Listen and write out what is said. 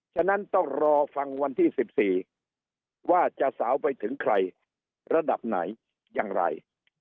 ฉะนั้นต้องรอฟังวันที่๑๔ว่าจะสาวไปถึงใครระดับไหนอย่างไร